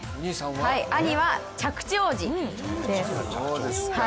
兄は、着地王子です。